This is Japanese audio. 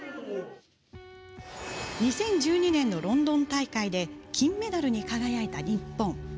２０１２年のロンドン大会で金メダルに輝いた日本。